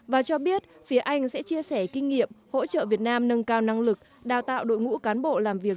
và cho biết phía anh sẽ chia sẻ kinh nghiệm hỗ trợ việt nam nâng cao năng lực đào tạo đội ngũ cán bộ làm việc